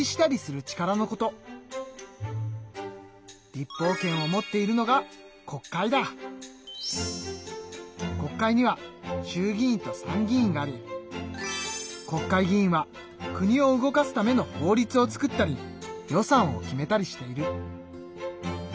立法権を持っているのが国会には衆議院と参議院があり国会議員は国を動かすための法律を作ったり予算を決めたりしている。